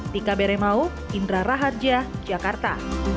tika beremau indra raharja jakarta